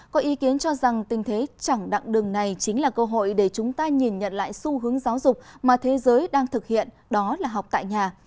có ý kiến cho rằng tình thế chẳng đặng đường này chính là cơ hội để chúng ta nhìn nhận lại xu hướng giáo dục mà thế giới đang thực hiện đó là học tại nhà